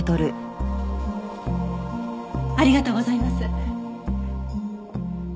ありがとうございます。